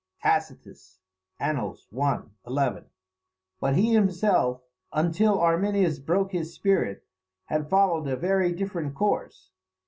Tac. Ann. i. 11] but he himself, until Arminius broke his spirit, had followed a very different course.